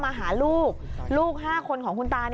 มาหาลูกลูก๕คนของคุณตา